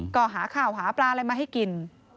ก็หาข้าวหาปลาอะไรมาให้กิน